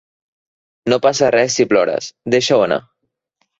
No passa res si plores, deixa-ho anar.